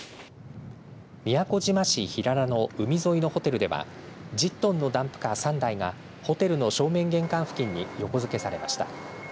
宮古島市平良の海沿いのホテルでは１０トンのダンプカー３台がホテルの正面玄関付近に横づけされました。